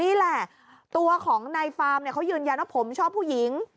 นี่แหละตัวของนายฟาร์มเนี่ยเขายืนยันว่าผมชอบผู้หญิง